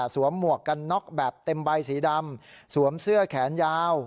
หมวกกันน็อกแบบเต็มใบสีดำสวมเสื้อแขนยาว